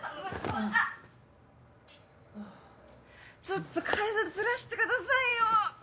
ちょっと体ずらしてくださいよ！